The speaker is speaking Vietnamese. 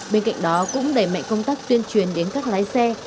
bên cạnh đó cũng đẩy mạnh công tác tuyên truyền đến các lái xe